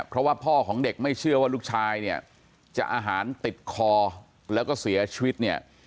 เพราะว่าพ่อของเด็กไม่เชื่อว่าลูกชายเนี่ยจะอาหารติดคอแล้วก็เสียชีวิตเนี่ย